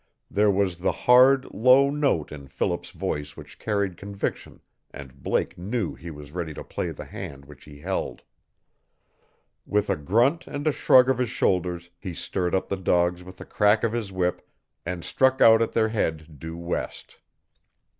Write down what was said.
There was the hard, low note in Philip's voice which carried conviction and Blake knew he was ready to play the hand which he held. With a grunt and a shrug of his shoulders he stirred up the dogs with a crack of his whip and struck out at their head due west.